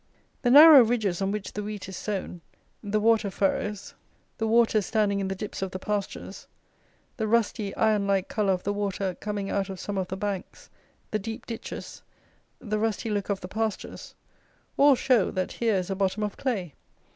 The narrow ridges on which the wheat is sown; the water furrows; the water standing in the dips of the pastures; the rusty iron like colour of the water coming out of some of the banks; the deep ditches; the rusty look of the pastures all show, that here is a bottom of clay.